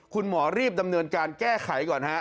คุณหมอรีบดำเนินการแก้ไขก่อนฮะ